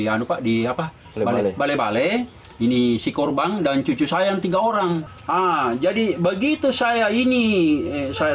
anu pak di apa lele lele ini si korban dan cucu sayang tiga orang ah jadi begitu saya ini saya